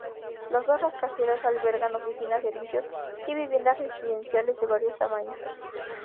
Los dos rascacielos albergan oficinas, servicios y viviendas residenciales de varios tamaños.